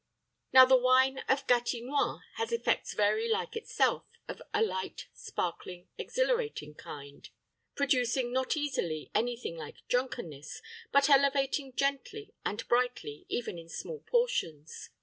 Now the wine of Gatinois has effects very like itself, of a light, sparkling, exhilarating kind, producing not easily any thing like drunkenness, but elevating gently and brightly, even in small portions.